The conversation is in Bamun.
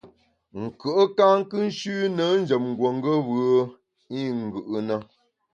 Nkùe’ ka nshüne njem nguongeb’e i ngù’ na.